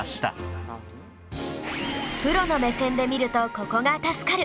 プロの目線で見るとここが助かる！